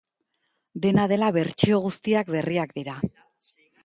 Dena dela, bertsio guztiak berriak dira.